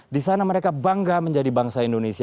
di sana mereka bangga menjadi bangsa indonesia